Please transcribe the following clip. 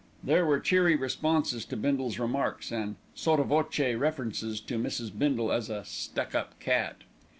There were cheery responses to Bindle's remarks, and sotto voce references to Mrs. Bindle as "a stuck up cat."